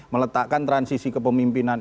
meletakkan transisi kepemimpinan